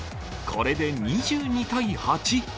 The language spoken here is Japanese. これで２２対８。